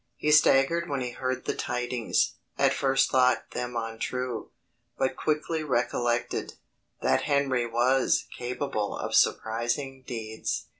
He staggered when he heard the tidings; at first thought them untrue; but quickly recollected, that Henry was capable of surprising deeds!